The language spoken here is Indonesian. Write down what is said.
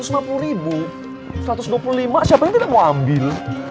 satu ratus dua puluh lima siapa yang tidak mau ambil